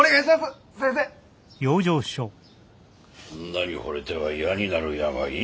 女にほれては嫌になる病？